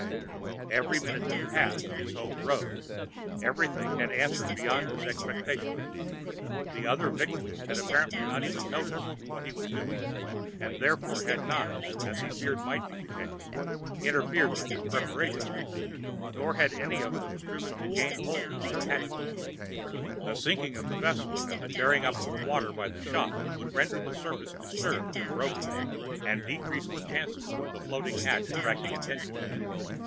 With every minute that passed his hopes rose; everything had answered beyond his expectation. The other victims had apparently not even noticed what he was doing, and therefore had not, as he feared might be the case, interfered with his preparations, nor had any of them striven to gain a hold on the hatchway. The sinking of the vessel, and the tearing up of the water by the shot, would render the surface disturbed and broken, and decrease the chances of the floating hatch attracting attention.